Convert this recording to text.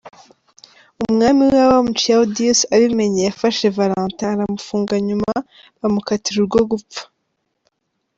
Umwami w’abami Claudius abimenye ,yafashe Valentin aramufunga nyuma bamukatira urwo gupfa .